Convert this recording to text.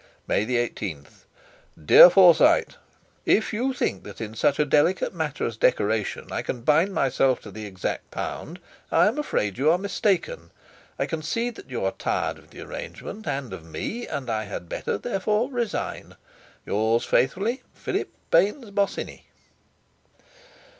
"May 18. "DEAR FORSYTE, "If you think that in such a delicate matter as decoration I can bind myself to the exact pound, I am afraid you are mistaken. I can see that you are tired of the arrangement, and of me, and I had better, therefore, resign. "Yours faithfully, "PHILIP BAYNES BOSINNEY."